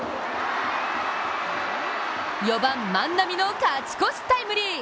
４番・万波の勝ち越しタイムリー。